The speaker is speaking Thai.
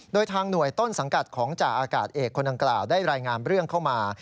โดยทางหน่วยต้นสังกัดของจ่าอากาศเอกคนดังกล่าวได้รายงานเรื่องเข้ามา